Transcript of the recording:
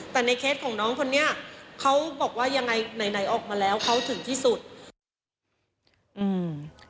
แต่ในเคสของน้องคนนี้เขาบอกว่ายังไงไหนไหนออกมาแล้วเขาถึงที่สุดอืม